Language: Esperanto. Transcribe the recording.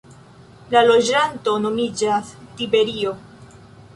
La loĝanto nomiĝas "tiberio".